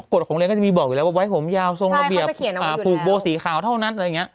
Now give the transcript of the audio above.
กฎของเรนก็จะมีบอกอยู่แล้วว่าไว้โหยาวทรงละเบียบปรุงบรวมสีขาวเท่านั้น